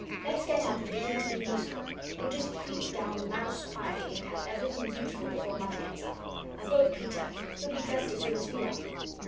Let's get up and begin to be useful. We'll just creep down mouse quietly, and have everything beautiful before Mother gets up. I've woke Peter. He'll be dressed as soon as we are."